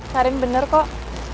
karin bener kok